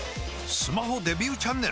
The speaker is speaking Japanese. スマホデビューチャンネル！？